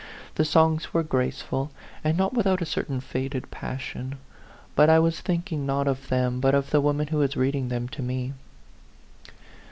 The songs were graceful, and not without a certain faded passion ; but I was thinking not of them, but of the woman who was reading them to me.